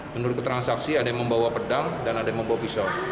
menurut keterangan saksi ada yang membawa pedang dan ada yang membawa pisau